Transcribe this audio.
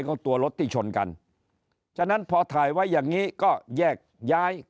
ก็ตัวรถที่ชนกันฉะนั้นพอถ่ายไว้อย่างงี้ก็แยกย้าย